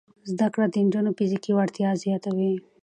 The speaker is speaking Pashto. زده کړه د نجونو فزیکي وړتیا زیاتوي.